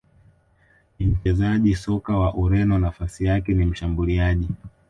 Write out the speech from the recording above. ni mchezaji soka wa Ureno nafasi yake ni Mshambuliaji